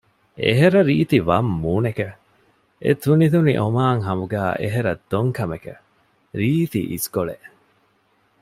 އެހެރަ ރީތި ވަށް މޫނެކެވެ! އެތުނިތުނި އޮމާން ހަމުގައި އެހެރަ ދޮން ކަމެކެވެ! ރީތި އިސްކޮޅެއް